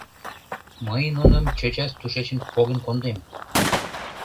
Мый нуным чӧчас тушечын поген кондем.